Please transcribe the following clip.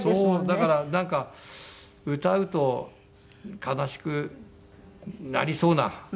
だからなんか歌うと悲しくなりそうな。